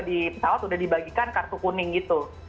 di pesawat sudah dibagikan kartu kuning gitu